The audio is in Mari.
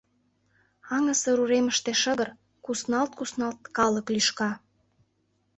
Аҥысыр уремыште шыгыр, кусналт-кусналт, калык лӱшка.